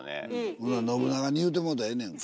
ほな信長に言うてもろたらええねやんか。